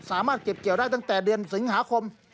สามารถเก็บเกี่ยวได้ตั้งแต่เดือนสิงหาคม